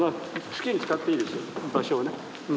好きに使っていいです場所をね。